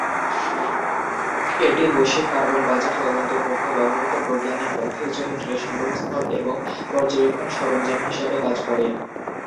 এটি বৈশ্বিক carbon budget তদন্ত করতে ব্যবহৃত বৈজ্ঞানিক তথ্যের জন্য ডেটা সংগ্রহস্থল এবং পর্যবেক্ষণ সরঞ্জাম হিসাবে কাজ করে।